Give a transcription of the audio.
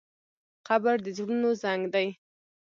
قبر د زړونو زنګ دی.